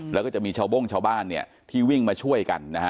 แล้วจะมีเชาะโบ้งเชาะบ้านที่วิ่งมาช่วยกันนะฮะ